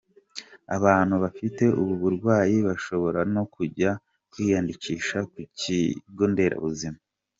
Abantu bafite ubu burwayi bashobora no kujya kwiyandikisha ku bigonderabuzima.